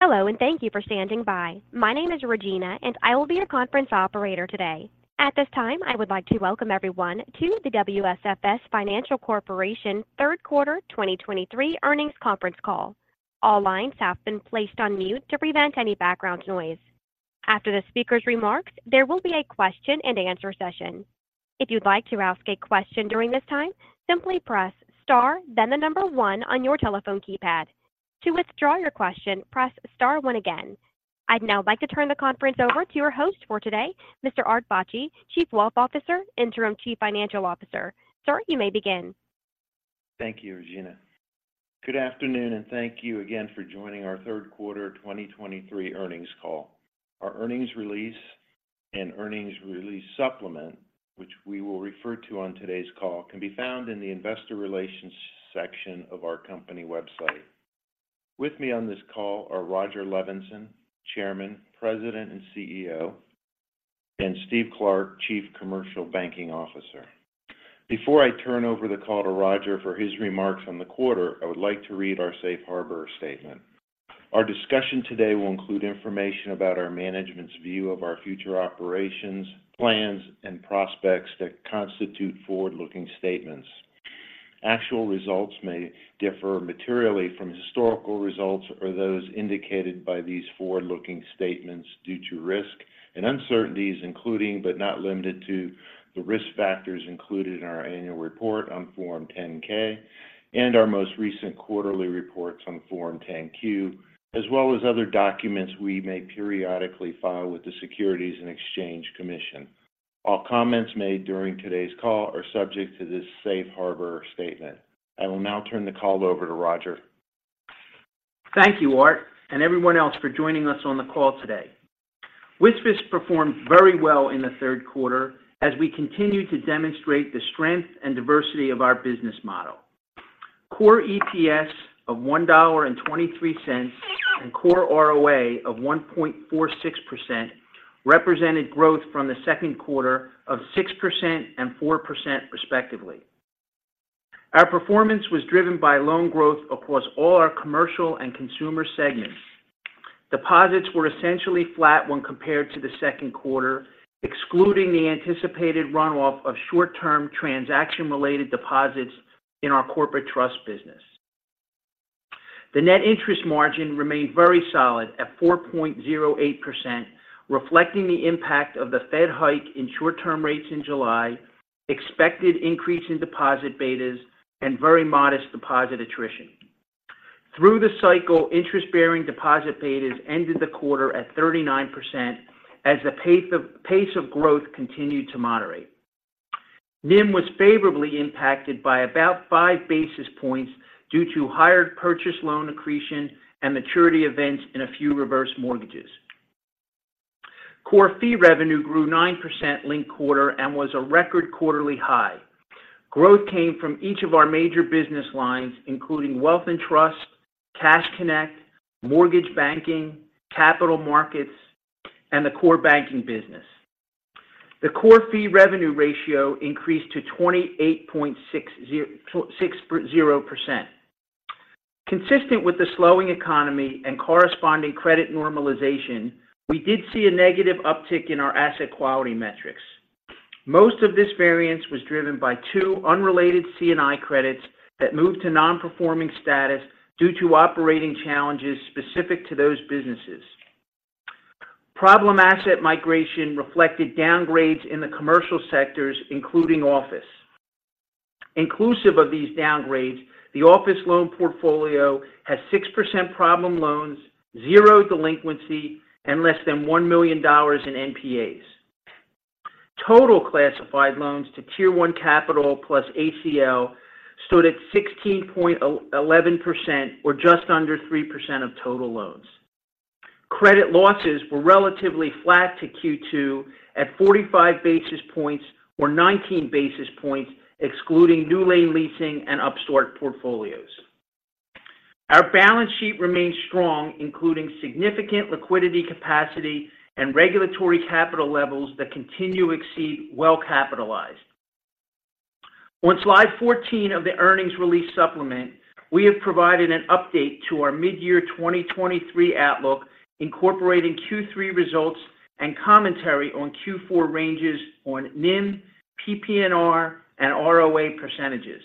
Hello, and thank you for standing by. My name is Regina, and I will be your Conference Operator Today. At this time, I would like to welcome everyone to the WSFS Financial Corporation third quarter 2023 earnings conference call. All lines have been placed on mute to prevent any background noise. After the speaker's remarks, there will be a question-and-answer session. If you'd like to ask a question during this time, simply press Star, then the number 1 on your telephone keypad. To withdraw your question, press Star 1 again. I'd now like to turn the conference over to your host for today, Mr. Art Bacci, Chief Wealth Officer, Interim Chief Financial Officer. Sir, you may begin. Thank you, Regina. Good afternoon, and thank you again for joining our third quarter 2023 earnings call. Our earnings release and earnings release supplement, which we will refer to on today's call, can be found in the Investor Relations section of our company website. With me on this call are Rodger Levenson, Chairman, President, and CEO, and Steve Clark, Chief Commercial Banking Officer. Before I turn over the call to Rodger for his remarks on the quarter, I would like to read our safe harbor statement. Our discussion today will include information about our management's view of our future operations, plans, and prospects that constitute forward-looking statements. Actual results may differ materially from historical results or those indicated by these forward-looking statements due to risk and uncertainties, including, but not limited to, the risk factors included in our annual report on Form 10-K and our most recent quarterly reports on Form 10-Q, as well as other documents we may periodically file with the Securities and Exchange Commission. All comments made during today's call are subject to this safe harbor statement. I will now turn the call over to Rodger. Thank you, Art, and everyone else for joining us on the call today. WSFS performed very well in the third quarter as we continue to demonstrate the strength and diversity of our business model. Core EPS of $1.23, and core ROA of 1.46% represented growth from the second quarter of 6% and 4%, respectively. Our performance was driven by loan growth across all our commercial and consumer segments. Deposits were essentially flat when compared to the second quarter, excluding the anticipated runoff of short-term transaction-related deposits in our corporate trust business. The net interest margin remained very solid at 4.08%, reflecting the impact of the Fed hike in short-term rates in July, expected increase in deposit betas, and very modest deposit attrition. Through the cycle, interest-bearing deposit betas ended the quarter at 39%, as the pace of growth continued to moderate. NIM was favorably impacted by about 5 basis points due to higher purchase loan accretion and maturity events in a few reverse mortgages. Core fee revenue grew 9% linked quarter and was a record quarterly high. Growth came from each of our major business lines, including wealth and trust, Cash Connect, mortgage banking, capital markets, and the core banking business. The core fee revenue ratio increased to 28.60%. Consistent with the slowing economy and corresponding credit normalization, we did see a negative uptick in our asset quality metrics. Most of this variance was driven by two unrelated C&I credits that moved to non-performing status due to operating challenges specific to those businesses. Problem asset migration reflected downgrades in the commercial sectors, including office. Inclusive of these downgrades, the office loan portfolio has 6% problem loans, 0 delinquency, and less than $1 million in NPAs. Total classified loans to Tier 1 Capital plus ACL stood at 16.11%, or just under 3% of total loans. Credit losses were relatively flat to Q2 at 45 basis points, or 19 basis points, excluding NewLane Leasing and Upstart portfolios. Our balance sheet remains strong, including significant liquidity capacity and regulatory capital levels that continue to exceed well-capitalized. On slide 14 of the earnings release supplement, we have provided an update to our mid-year 2023 outlook, incorporating Q3 results and commentary on Q4 ranges on NIM, PPNR, and ROA percentages.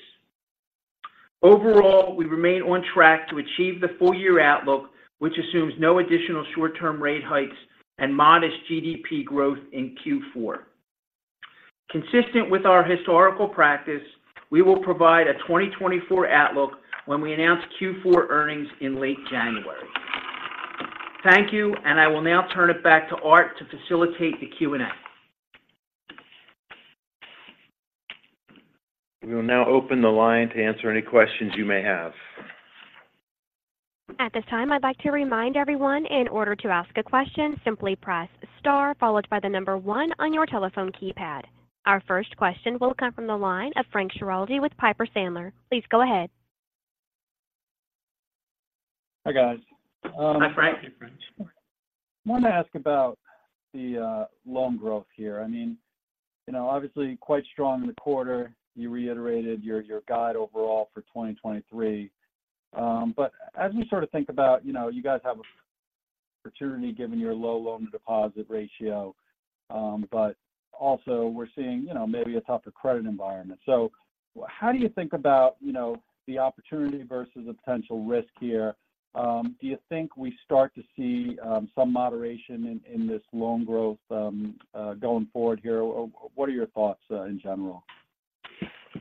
Overall, we remain on track to achieve the full-year outlook, which assumes no additional short-term rate hikes and modest GDP growth in Q4. Consistent with our historical practice, we will provide a 2024 outlook when we announce Q4 earnings in late January. Thank you, and I will now turn it back to Art to facilitate the Q&A. We will now open the line to answer any questions you may have. At this time, I'd like to remind everyone in order to ask a question, simply press Star, followed by the number one on your telephone keypad. Our first question will come from the line of Frank Schiraldi with Piper Sandler. Please go ahead. Hi, guys. Hi, Frank. I want to ask about the loan growth here. I mean, you know, obviously quite strong in the quarter. You reiterated your guide overall for 2023. But as we sort of think about, you know, you guys have opportunity given your low loan-to-deposit ratio, but also we're seeing, you know, maybe a tougher credit environment. So how do you think about, you know, the opportunity versus the potential risk here? Do you think we start to see some moderation in this loan growth going forward here? Or what are your thoughts in general?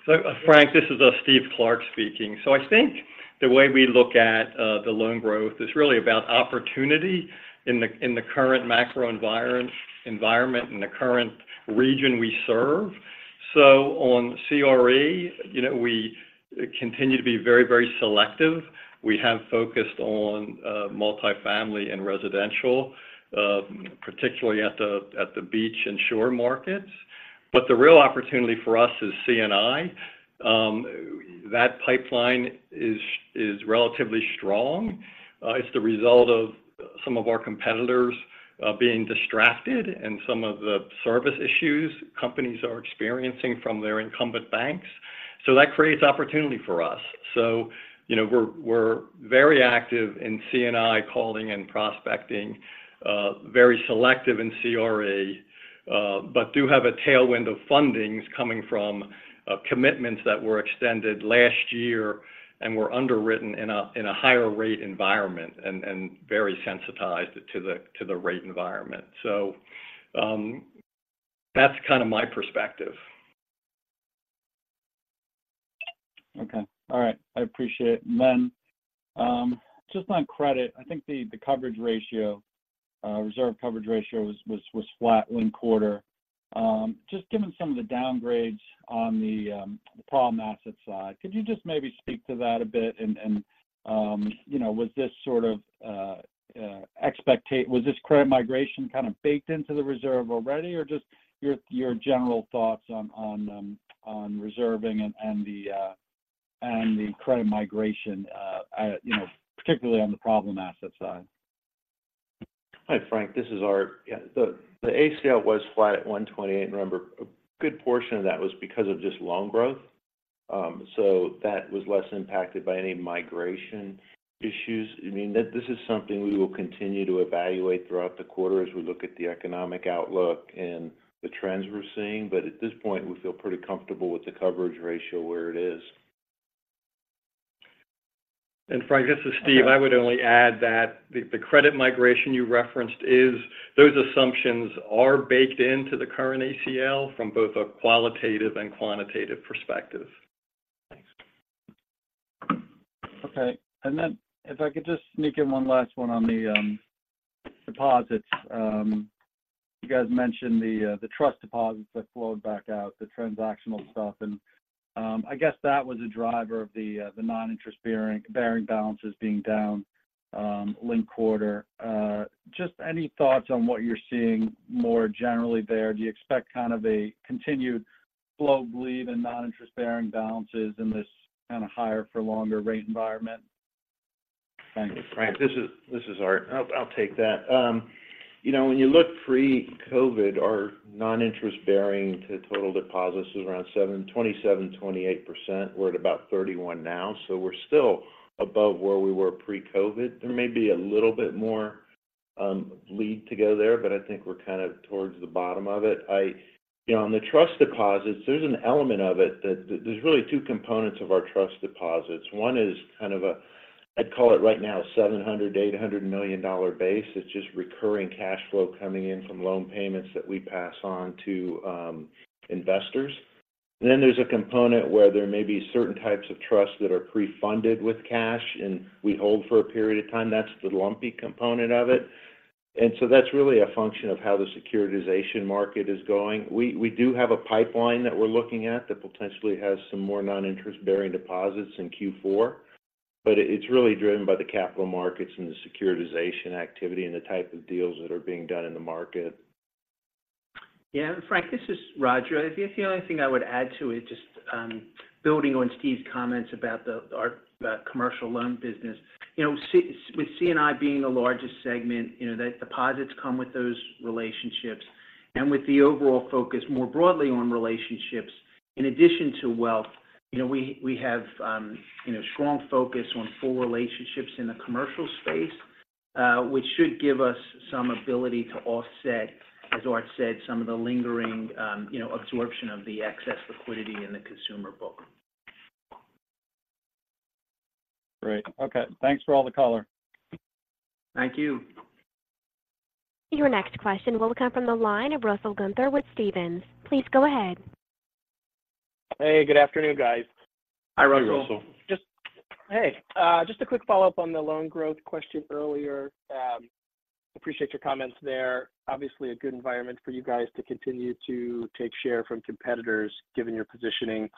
So Frank, this is Steve Clark speaking. So I think the way we look at the loan growth is really about opportunity in the current macro environment and the current region we serve. So on CRE, you know, we continue to be very, very selective. We have focused on multifamily and residential, particularly at the beach and shore markets. But the real opportunity for us is C&I. That pipeline is relatively strong. It's the result of some of our competitors being distracted and some of the service issues companies are experiencing from their incumbent banks. So that creates opportunity for us. So, you know, we're very active in C&I, calling and prospecting, very selective in CRE, but do have a tailwind of fundings coming from commitments that were extended last year and were underwritten in a higher rate environment and very sensitized to the rate environment. So, that's kind of my perspective. Okay. All right, I appreciate it. And then, just on credit, I think the coverage ratio, reserve coverage ratio was flat linked quarter. Just given some of the downgrades on the problem asset side, could you just maybe speak to that a bit? You know, was this sort of was this credit migration kind of baked into the reserve already, or just your general thoughts on reserving and the credit migration, you know, particularly on the problem asset side? Hi, Frank, this is Art. Yeah, the ACL was flat at $128. Remember, a good portion of that was because of just loan growth, so that was less impacted by any migration issues. I mean, this is something we will continue to evaluate throughout the quarter as we look at the economic outlook and the trends we're seeing. But at this point, we feel pretty comfortable with the coverage ratio where it is. Frank, this is Steve. I would only add that the credit migration you referenced is those assumptions are baked into the current ACL from both a qualitative and quantitative perspective. Thanks. Okay. And then if I could just sneak in one last one on the deposits. You guys mentioned the trust deposits that flowed back out, the transactional stuff, and I guess that was a driver of the non-interest-bearing balances being down linked quarter. Just any thoughts on what you're seeing more generally there? Do you expect kind of a continued slow bleed in non-interest-bearing balances in this kind of higher for longer rate environment? Thank you. Frank, this is Art. I'll take that. You know, when you look pre-COVID, our non-interest-bearing to total deposits was around 27-28%. We're at about 31% now, so we're still above where we were pre-COVID. There may be a little bit more bleed to go there, but I think we're kind of towards the bottom of it. You know, on the trust deposits, there's an element of it that there's really two components of our trust deposits. One is kind of a, I'd call it right now, $700 million-$800 million base. It's just recurring cash flow coming in from loan payments that we pass on to investors. Then there's a component where there may be certain types of trusts that are pre-funded with cash, and we hold for a period of time. That's the lumpy component of it. And so that's really a function of how the securitization market is going. We do have a pipeline that we're looking at that potentially has some more non-interest-bearing deposits in Q4, but it's really driven by the capital markets and the securitization activity and the type of deals that are being done in the market. Yeah, Frank, this is Roger. I think the only thing I would add to it, just, building on Steve's comments about our commercial loan business. You know, with C&I being the largest segment, you know, the deposits come with those relationships. And with the overall focus more broadly on relationships, in addition to wealth, you know, we, we have, you know, strong focus on full relationships in the commercial space, which should give us some ability to offset, as Art said, some of the lingering, you know, absorption of the excess liquidity in the consumer book. Great. Okay. Thanks for all the color. Thank you. Your next question will come from the line of Russell Gunther with Stephens. Please go ahead. Hey, good afternoon, guys. Hi, Russell. Hi, Russell. Just hey, just a quick follow-up on the loan growth question earlier. Appreciate your comments there. Obviously, a good environment for you guys to continue to take share from competitors, given your positioning.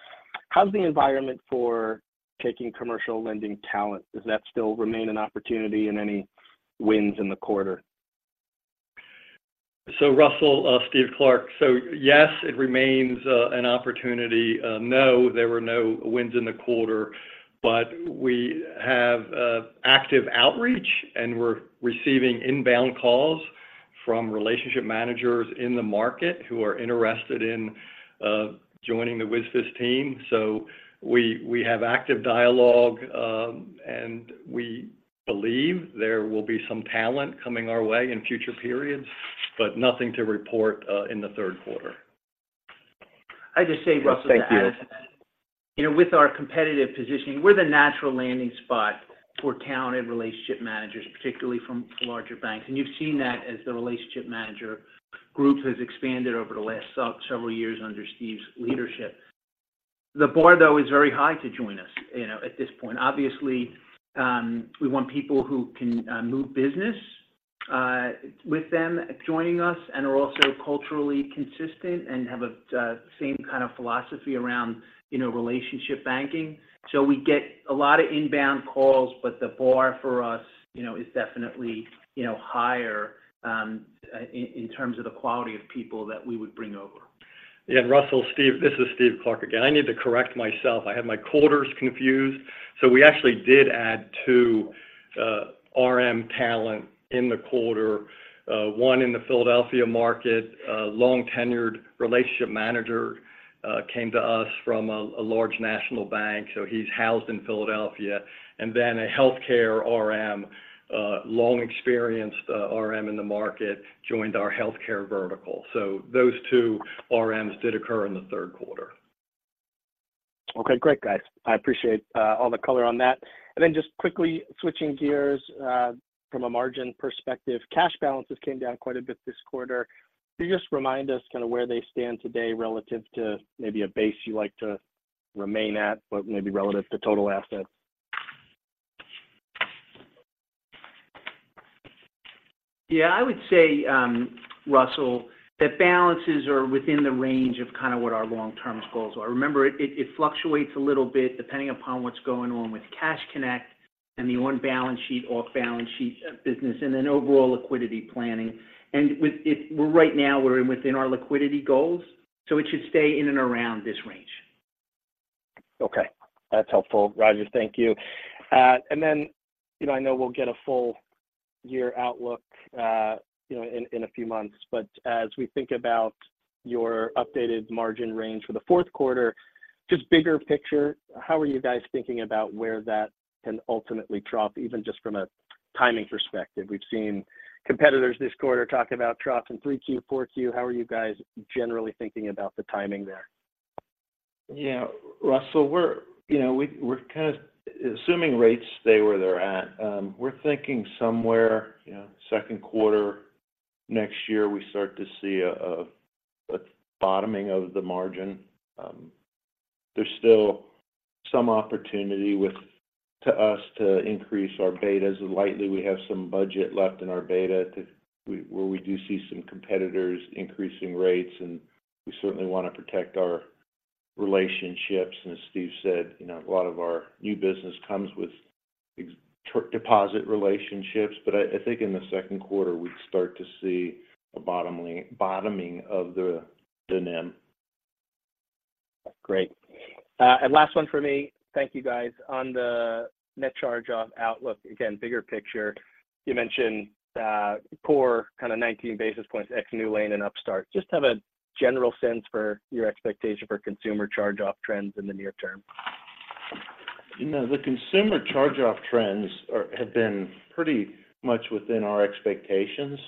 How's the environment for taking commercial lending talent? Does that still remain an opportunity and any wins in the quarter? So Russell, Steve Clark. So yes, it remains an opportunity. No, there were no wins in the quarter, but we have active outreach, and we're receiving inbound calls from relationship managers in the market who are interested in joining the WSFS team. So we have active dialogue, and we believe there will be some talent coming our way in future periods, but nothing to report in the third quarter. I'd just say, Russell- Thank you. To add to that, you know, with our competitive positioning, we're the natural landing spot for talented relationship managers, particularly from larger banks. And you've seen that as the relationship manager group has expanded over the last several years under Steve's leadership. The bar, though, is very high to join us, you know, at this point. Obviously, we want people who can move business with them joining us and are also culturally consistent and have the same kind of philosophy around, you know, relationship banking. So we get a lot of inbound calls, but the bar for us, you know, is definitely, you know, higher in terms of the quality of people that we would bring over. Yeah, Russell, Steve. This is Steve Clark again. I need to correct myself. I had my quarters confused, so we actually did add two RM talent in the quarter. One in the Philadelphia market, a long-tenured relationship manager, came to us from a large national bank, so he's housed in Philadelphia. And then a healthcare RM, a long-experienced RM in the market, joined our healthcare vertical. So those two RMs did occur in the third quarter. Okay, great, guys. I appreciate all the color on that. And then just quickly switching gears from a margin perspective, cash balances came down quite a bit this quarter. Can you just remind us kind of where they stand today relative to maybe a base you like to remain at, but maybe relative to total assets? Yeah, I would say, Russell, that balances are within the range of kind of what our long-term goals are. Remember, it fluctuates a little bit depending upon what's going on with Cash Connect and the on-balance sheet, off-balance sheet business, and then overall liquidity planning. And with it, we're right now within our liquidity goals, so it should stay in and around this range. Okay. That's helpful, Rodger. Thank you. And then, you know, I know we'll get a full year outlook, you know, in, in a few months, but as we think about your updated margin range for the fourth quarter, just bigger picture, how are you guys thinking about where that can ultimately drop, even just from a timing perspective? We've seen competitors this quarter talking about drops in 3Q, 4Q. How are you guys generally thinking about the timing there? Yeah, Russell, you know, we're kind of assuming rates stay where they're at. We're thinking somewhere, you know, second quarter next year, we start to see a bottoming of the margin. There's still some opportunity with to us to increase our betas. Likely, we have some budget left in our beta to where we do see some competitors increasing rates, and we certainly want to protect our relationships. And as Steve said, you know, a lot of our new business comes with existing deposit relationships, but I think in the second quarter, we start to see a bottoming of the NIM. Great. Last one for me. Thank you, guys. On the net charge-off outlook, again, bigger picture, you mentioned, core kind of 19 basis points, ex NewLane and Upstart. Just have a general sense for your expectation for consumer charge-off trends in the near term? You know, the consumer charge-off trends have been pretty much within our expectations.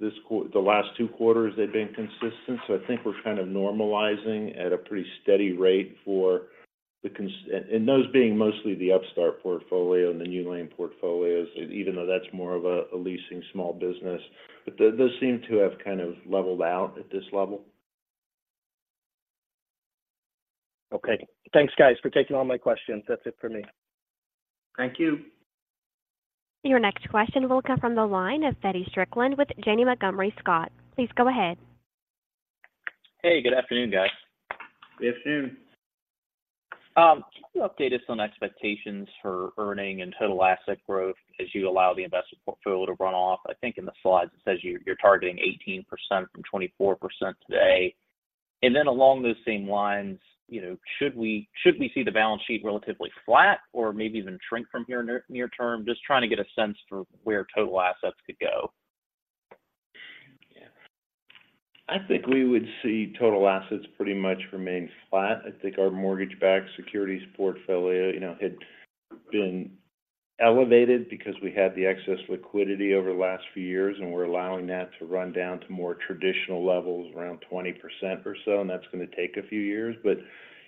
The last two quarters, they've been consistent, so I think we're kind of normalizing at a pretty steady rate for the consumer and those being mostly the Upstart portfolio and the NewLane portfolios, even though that's more of a leasing small business. But those seem to have kind of leveled out at this level. Okay. Thanks, guys, for taking all my questions. That's it for me. Thank you. Your next question will come from the line of Feddie Strickland with Janney Montgomery Scott. Please go ahead. Hey, good afternoon, guys. Good afternoon. Can you update us on expectations for earning and total asset growth as you allow the investment portfolio to run off? I think in the slides, it says you're, you're targeting 18% from 24% today. And then along those same lines, you know, should we, should we see the balance sheet relatively flat or maybe even shrink from here near, near term? Just trying to get a sense for where total assets could go. Yeah. I think we would see total assets pretty much remain flat. I think our mortgage-backed securities portfolio, you know, had been elevated because we had the excess liquidity over the last few years, and we're allowing that to run down to more traditional levels, around 20% or so, and that's going to take a few years. But,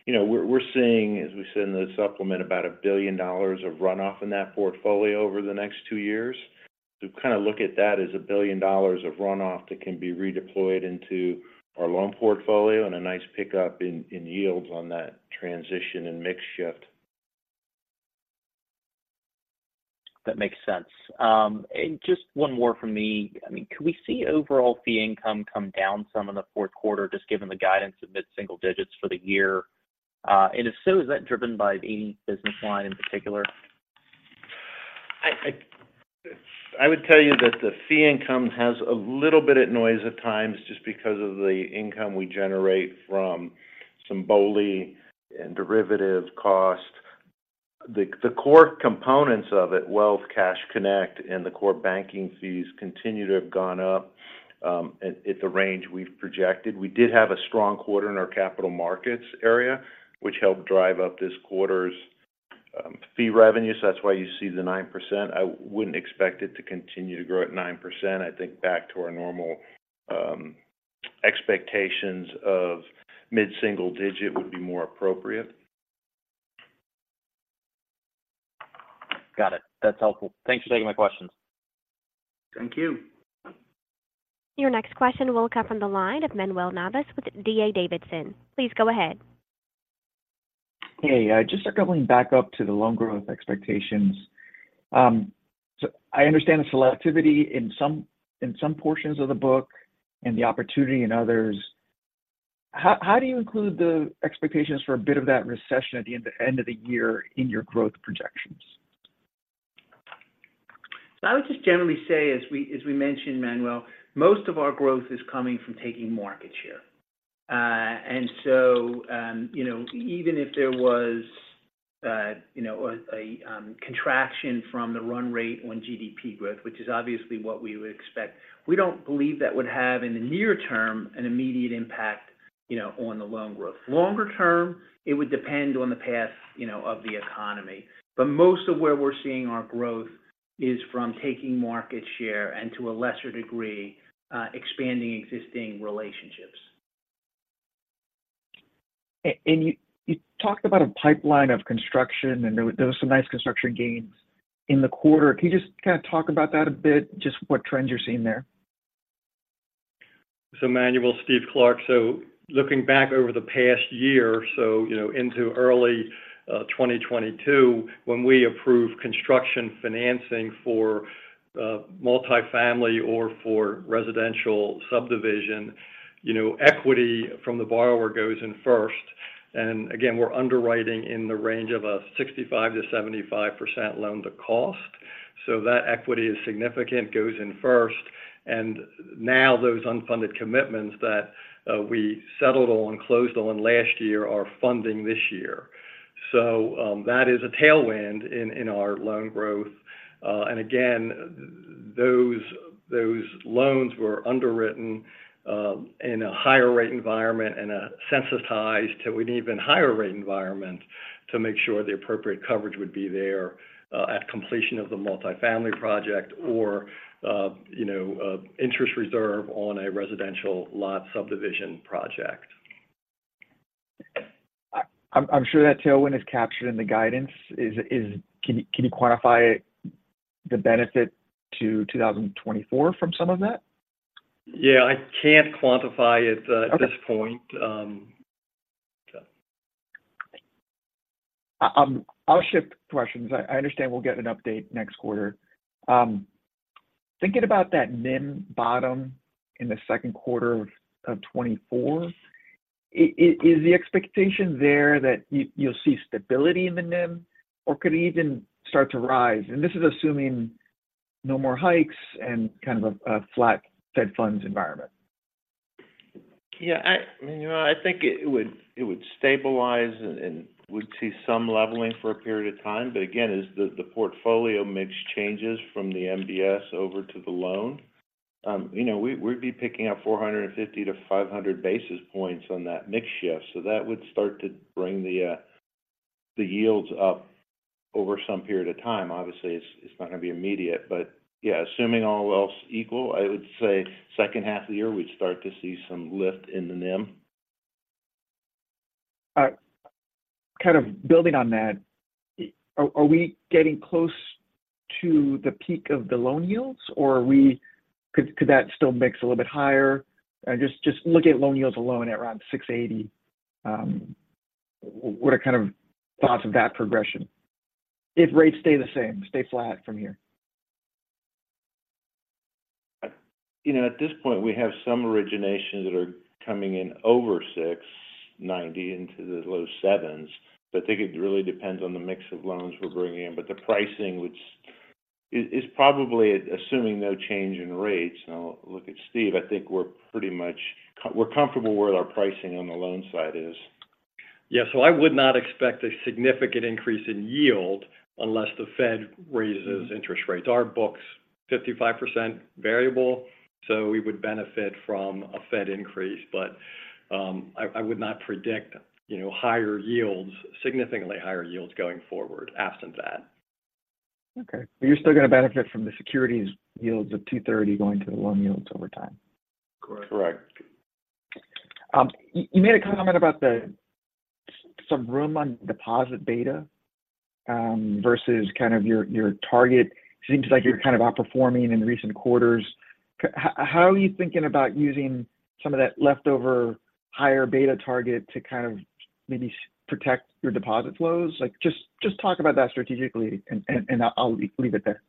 you know, we're seeing, as we said in the supplement, about $1 billion of runoff in that portfolio over the next two years. To kind of look at that as $1 billion of runoff that can be redeployed into our loan portfolio and a nice pickup in yields on that transition and mix shift. That makes sense. And just one more from me. I mean, could we see overall fee income come down some in the fourth quarter, just given the guidance of mid-single digits for the year? And if so, is that driven by any business line in particular? I would tell you that the fee income has a little bit of noise at times just because of the income we generate from some BOLI and derivative costs. The core components of it, wealth, Cash Connect, and the core banking fees continue to have gone up at the range we've projected. We did have a strong quarter in our capital markets area, which helped drive up this quarter's fee revenue. So that's why you see the 9%. I wouldn't expect it to continue to grow at 9%. I think back to our normal expectations of mid-single digit would be more appropriate. Got it. That's helpful. Thanks for taking my questions. Thank you. Your next question will come from the line of Manuel Navas with D.A. Davidson. Please go ahead. Hey, just circling back up to the loan growth expectations. So I understand the selectivity in some, in some portions of the book and the opportunity in others. How, how do you include the expectations for a bit of that recession at the end, end of the year in your growth projections? I would just generally say, as we, as we mentioned, Manuel, most of our growth is coming from taking market share. And so, you know, even if there was, you know, a contraction from the run rate on GDP growth, which is obviously what we would expect, we don't believe that would have, in the near term, an immediate impact, you know, on the loan growth. Longer term, it would depend on the path, you know, of the economy. But most of where we're seeing our growth is from taking market share and, to a lesser degree, expanding existing relationships. And you talked about a pipeline of construction, and there were some nice construction gains in the quarter. Can you just kind of talk about that a bit? Just what trends you're seeing there. So Manuel, Steve Clark. So looking back over the past year or so, you know, into early, 2022, when we approved construction financing for, multifamily or for residential subdivision, you know, equity from the borrower goes in first. And again, we're underwriting in the range of a 65%-75% loan-to-cost. So that equity is significant, goes in first, and now those unfunded commitments that, we settled on, closed on last year are funding this year. So, that is a tailwind in our loan growth. And again, those loans were underwritten, in a higher rate environment and, sensitized to an even higher rate environment to make sure the appropriate coverage would be there, at completion of the multifamily project or, you know, interest reserve on a residential lot subdivision project. I'm sure that tailwind is captured in the guidance. Can you quantify the benefit to 2024 from some of that? Yeah, I can't quantify it at this point. Okay. Um, so. I'll shift questions. I understand we'll get an update next quarter. Thinking about that NIM bottom in the second quarter of 2024, is the expectation there that you'll see stability in the NIM, or could it even start to rise? And this is assuming no more hikes and kind of a flat Fed funds environment. Yeah, you know, I think it would, it would stabilize and we'd see some leveling for a period of time. But again, as the portfolio mix changes from the MBS over to the loan, you know, we, we'd be picking up 450-500 basis points on that mix shift. So that would start to bring the yields up over some period of time. Obviously, it's, it's not going to be immediate, but yeah, assuming all else equal, I would say second half of the year, we'd start to see some lift in the NIM. Kind of building on that, are we getting close to the peak of the loan yields, or could that still mix a little bit higher? Just looking at loan yields alone at around 6.80, what are kind of thoughts of that progression? If rates stay the same, stay flat from here. You know, at this point, we have some originations that are coming in over 6.90 into the low 7s. But I think it really depends on the mix of loans we're bringing in. But the pricing, which is, is probably assuming no change in rates. Now, look at Steve, I think we're pretty much, we're comfortable where our pricing on the loan side is. Yeah. So I would not expect a significant increase in yield unless the Fed raises interest rates. Our book's 55% variable, so we would benefit from a Fed increase, but I would not predict, you know, higher yields, significantly higher yields going forward absent that. Okay. But you're still going to benefit from the securities yields of 2.30 going to the loan yields over time? Correct. Correct. You made a comment about some room on deposit beta versus kind of your target. Seems like you're kind of outperforming in recent quarters. How are you thinking about using some of that leftover higher beta target to kind of maybe protect your deposit flows? Like, just talk about that strategically, and I'll leave it there.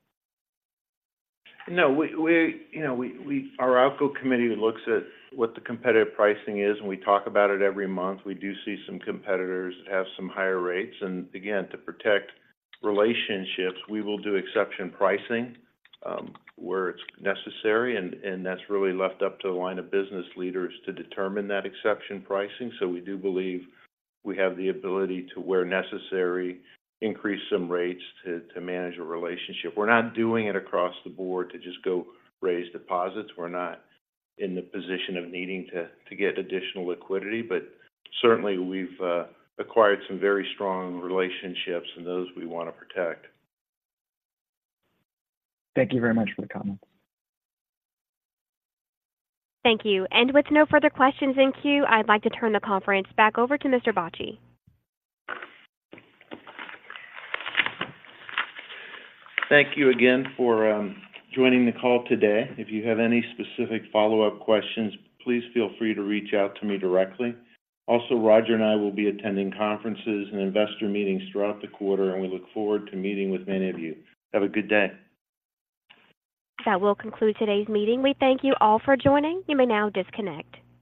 No, you know, our ALCO committee looks at what the competitive pricing is, and we talk about it every month. We do see some competitors have some higher rates, and again, to protect relationships, we will do exception pricing, where it's necessary, and that's really left up to the line of business leaders to determine that exception pricing. So we do believe we have the ability to, where necessary, increase some rates to manage a relationship. We're not doing it across the board to just go raise deposits. We're not in the position of needing to get additional liquidity, but certainly we've acquired some very strong relationships, and those we want to protect. Thank you very much for the comment. Thank you. With no further questions in queue, I'd like to turn the conference back over to Mr. Bacci. Thank you again for joining the call today. If you have any specific follow-up questions, please feel free to reach out to me directly. Also, Roger and I will be attending conferences and investor meetings throughout the quarter, and we look forward to meeting with many of you. Have a good day. That will conclude today's meeting. We thank you all for joining. You may now disconnect.